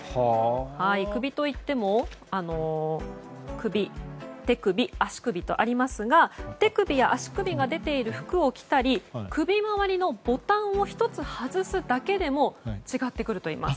首といっても、首、手首、足首とありますが、手首や足首が出ている服を着たり首回りのボタンを１つ外すだけでも違ってくるといいます。